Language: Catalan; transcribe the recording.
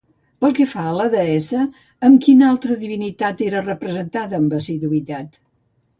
Pel que fa a la deessa, amb quina altra divinitat era representada amb assiduïtat?